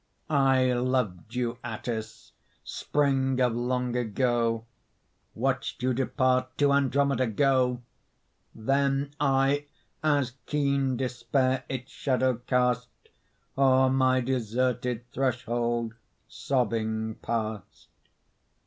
I loved you, Atthis spring of long ago Watched you depart, to Andromeda go; Then I, as keen despair its shadow cast, O'er my deserted threshold, sobbing, passed.